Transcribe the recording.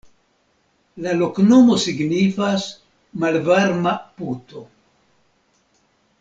La loknomo signifas: malvarma-puto.